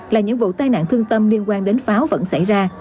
là những vụ tai nạn thương tâm liên quan đến pháo vẫn xảy ra